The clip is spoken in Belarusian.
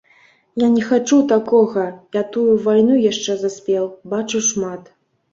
Я не хачу такога, я тую вайну яшчэ заспеў, бачыў шмат.